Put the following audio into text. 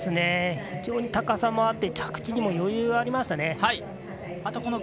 非常に高さもあって着地にも余裕がありましたね。